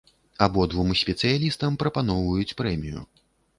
Абодвум спецыялістам прапаноўваюць прэмію.